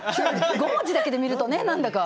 ５文字だけで見るとね何だか。